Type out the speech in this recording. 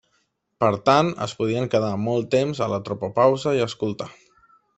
Per tant es podien quedar molt temps a la tropopausa i escoltar.